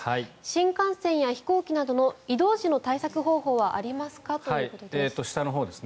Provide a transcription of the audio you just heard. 新幹線や飛行機などの移動時の対策方法はありますか？ということです。